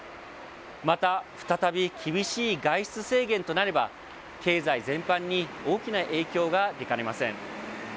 また、再び厳しい外出制限となれば、経済全般に大きな影響が出かねません。